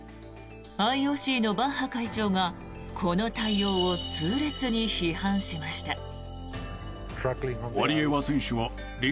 ＩＯＣのバッハ会長がこの対応を痛烈に批判しました。